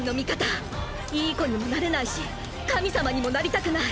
いい子にもなれないし神様にもなりたくない。